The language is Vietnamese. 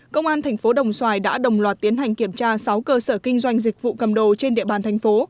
công an tp đồng xoài đã đồng loạt tiến hành kiểm tra sáu cơ sở kinh doanh dịch vụ cầm đồ trên địa bàn tp